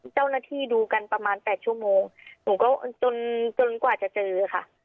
เจ้าหน้าที่ดูกันประมาณ๘ชั่วโมงหนูก็จนจนกว่าจะเจอค่ะ